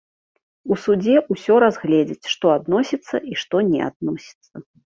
У судзе ўсё разгледзяць, што адносіцца і што не адносіцца.